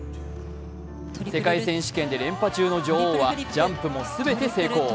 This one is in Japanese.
世界選手権で連覇中の女王はジャンプも全て成功。